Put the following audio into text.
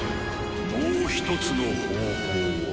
もうひとつの方法は。